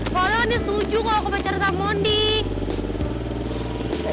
walau dia setuju kalo aku pacaran sama mondi